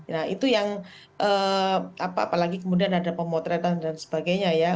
nah itu yang apalagi kemudian ada pemotretan dan sebagainya ya